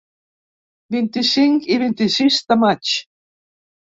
Vint-i-cinc i vint-i-sis de maig.